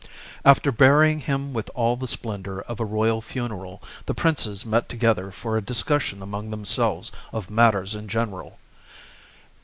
After burying him with all the splendour of a royal funeral, the princes met together for a dis cussion among themselves of matters in general.